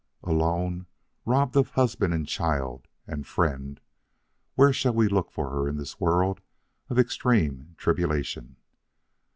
Alone, robbed of husband and child and friend where shall we look for her in this world of extreme tribulation?